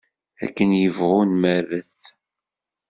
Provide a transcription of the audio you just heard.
Akken ibɣu nmerret.